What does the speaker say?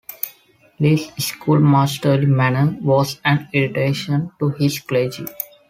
Lee's schoolmasterly manner was an irritation to his clergy.